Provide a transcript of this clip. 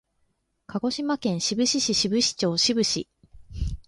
鹿児島県志布志市志布志町志布志